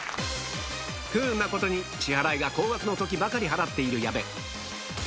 不運なことに支払いが高額の時ばかり払っている